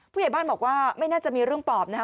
ผู้ใหญ่บ้านบอกว่าไม่น่าจะมีเรื่องปอบนะคะ